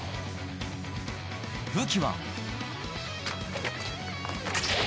武器は。